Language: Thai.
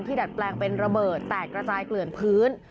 ดัดแปลงเป็นระเบิดแตกระจายเกลื่อนพื้น